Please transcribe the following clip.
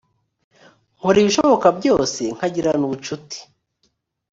nkora ibishoboka byose nkagirana ubucuti